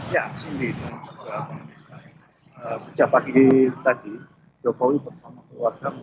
ya cindy sejak pagi tadi jokowi pertama keluarga menganggap